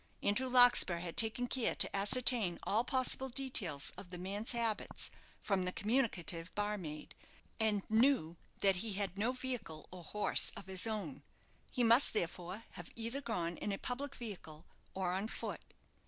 Andrew Larkspur had taken care to ascertain all possible details of the man's habits from the communicative barmaid, and knew that he had no vehicle or horse of his own. He must, therefore, have either gone in a public vehicle, or on foot.